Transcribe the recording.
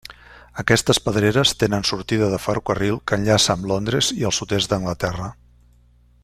Aquestes pedreres tenen sortida de ferrocarril que enllaça amb Londres i el sud-est d'Anglaterra.